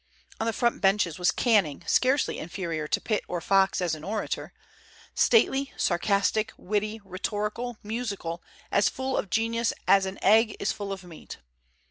On the front benches was Canning, scarcely inferior to Pitt or Fox as an orator; stately, sarcastic, witty, rhetorical, musical, as full of genius as an egg is full of meat.